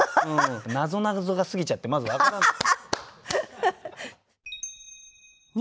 なぞなぞが過ぎちゃってまず分からない。